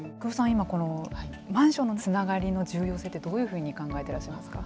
今このマンションのつながりの重要性ってどういうふうに考えてらっしゃいますか。